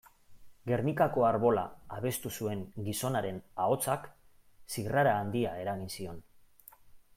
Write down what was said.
Gernikako Arbola abestu zuen gizonaren ahotsak zirrara handia eragin zion.